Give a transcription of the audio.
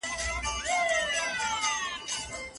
د زوی او لور دواړو په پيدا کېدو يو ډول خوښيدل.